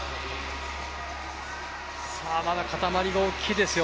まだ、かたまりが大きいですよ